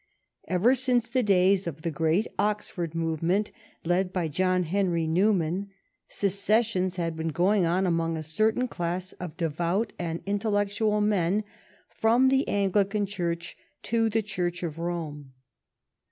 Ever since the days of the great Oxford Movement led by John Henry Newman, secessions had been going on among a certain class of devout and intellectual men from the Anglican Church to the Church of Rome.